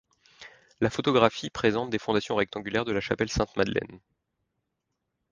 La photographie présente les fondations rectangulaires de la chapelle sainte-Madeleine.